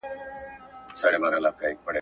هیڅ سرتېری باید له خلګو سره بې احترامي ونه کړي.